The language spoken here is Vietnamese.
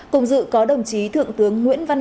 cùng dự có đồng chí thượng tướng nguyễn văn